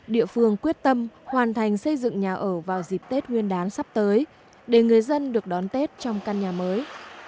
địa phương quyết tâm hoàn thành xây dựng nhà ở vào dịp tết nguyên đán sắp tới để người dân được đón tết trong căn nhà mới